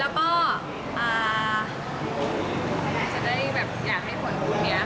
แล้วก็จะได้แบบอยากให้ผลบุญนี้